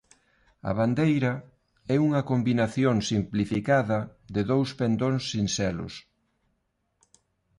A bandeira é unha combinación simplificada de dous pendóns sinxelos.